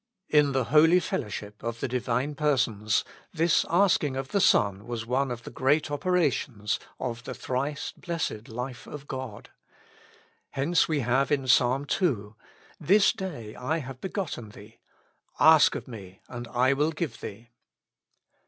In the holy fel lowship of the Divine Persons, this asking of the Son was one of the great operations of the Thrice Blessed Life of God. Hence we have in Psalm ii :♦' This day I have begotten Thee : ask of me and I will give Thee."